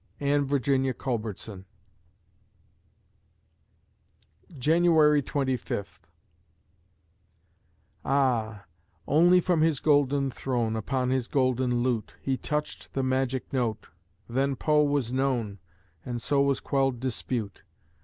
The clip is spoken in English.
ANNE VIRGINIA CULBERTSON January Twenty Fifth Ah, only from his golden throne, Upon his golden lute, He touched the magic note; then Poe was known, And so was quelled dispute.